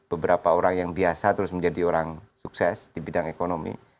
beberapa orang yang biasa terus menjadi orang sukses di bidang ekonomi